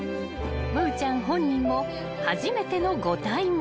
［夢侑ちゃん本人も初めてのご対面］